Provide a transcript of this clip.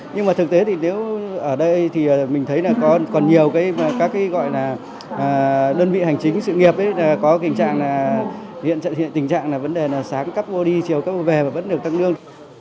nhưng mà thực tế thì nếu ở đây thì mình thấy là còn nhiều cái các cái gọi là đơn vị hành chính sự nghiệp ấy có tình trạng là hiện tình trạng là vấn đề là sáng cấp ô đi chiều cấp ô về và vẫn được tăng lương